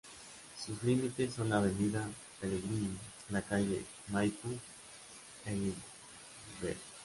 Sus límites son la Avenida Pellegrini, la calle Maipú, el Bv.